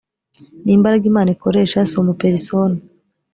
ni imbaraga imana ikoresha si umuperisona